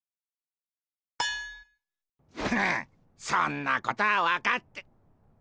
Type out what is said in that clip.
はっそんなことは分かって。